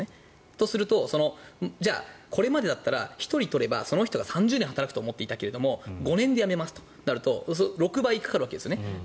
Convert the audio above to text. とするとじゃあこれまでだったら１人採ったら３０年働くと思ってたけど５年で辞めるとなると６倍かかるわけですね。